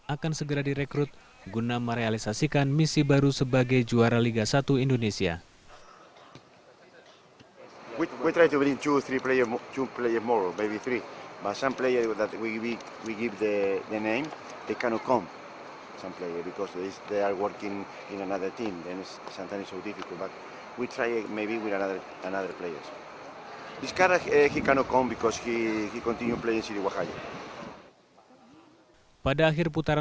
akan segera direkrut guna merealisasikan misi baru sebagai juara liga satu indonesia